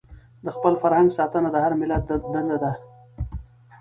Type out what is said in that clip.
د خپل فرهنګ ساتنه د هر ملت دنده ده.